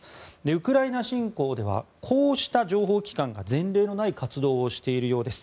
ウクライナ侵攻ではこうした情報機関が前例のない活動をしているようです。